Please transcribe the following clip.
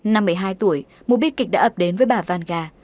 năm một mươi hai tuổi một bi kịch đã ập đến với bà vanga